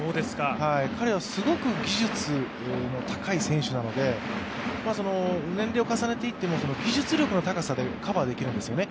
彼はすごく技術の高い選手なので年齢を重ねていっても技術力の高さでカバーできるんですよね。